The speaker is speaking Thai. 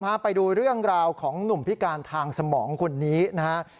พาไปดูเรื่องราวของหนุ่มพิการทางสมองคนนี้นะครับ